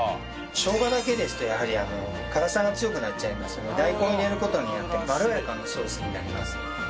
しょうがだけですとやはり辛さが強くなっちゃいますので大根を入れる事によってまろやかなソースになります。